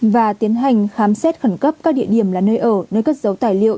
và tiến hành khám xét khẩn cấp các địa điểm là nơi ở nơi cất dấu tài liệu